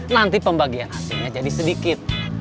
nanti pembagian hasilnya jadi sedikit